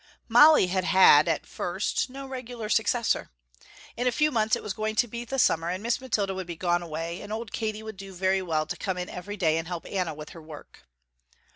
Molly had had, at first, no regular successor. In a few months it was going to be the summer and Miss Mathilda would be gone away, and old Katie would do very well to come in every day and help Anna with her work.